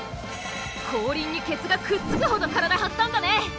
後輪にケツがくっつくほど体張ったんだね！